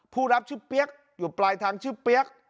ผู้รับชื่อเปี๊ยกอยู่ปลายทางชื่อเปี๊ยก